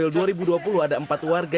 dari fdk juga